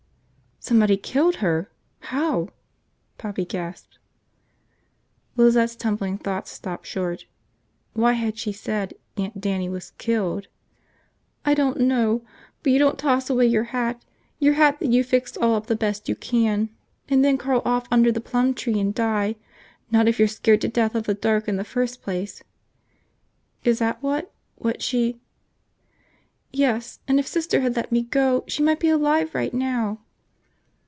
"Somebody killed her? How?" Poppy gasped. Lizette's tumbling thoughts stopped short. Why had she said Aunt Dannie was killed? "I don't know. But you don't toss away your hat – your hat that you've fixed all up the best you can – and then crawl off under the plum tree and die! Not if you're scared to death of the dark in the first place!" "Is that what ... what she. .." "Yes, and if Sister had let me go, she might be alive right now!"